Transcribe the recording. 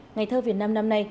ngày thơ việt nam năm nay